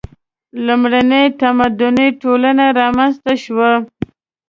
• لومړنۍ متمدنې ټولنې رامنځته شوې.